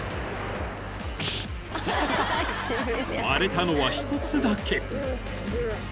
［割れたのは１つだけ］